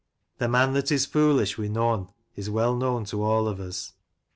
33 The man that is "foolish wi' noan," is yrell known to all of us.